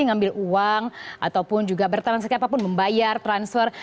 ngambil uang ataupun juga bertransaksi apapun membayar transfer